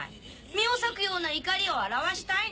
身を裂くような怒りを表したいんなら。